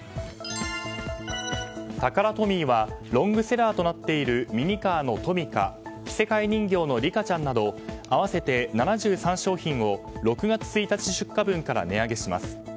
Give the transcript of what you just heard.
タカラトミーはロングセラーとなっているミニカーのトミカ着せ替え人形のリカちゃんなど合わせて７３商品を６月１日出荷分から値上げします。